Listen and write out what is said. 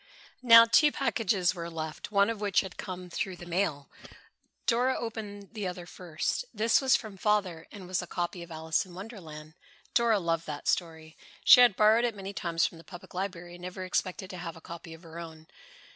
Now two packages were left, one of which had come through the mail. Dora opened the other first. This was from Father and was a copy of "Alice in Wonderland." Dora loved that story. She had borrowed it many times from the Public Library and never expected to have a copy of her own.